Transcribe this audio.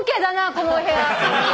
このお部屋。